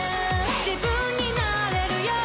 「自分になれるよ」